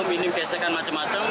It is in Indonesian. ya minim minim besekan macam macam